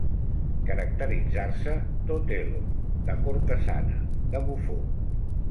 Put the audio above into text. Caracteritzar-se d'Otel·lo, de cortesana, de bufó.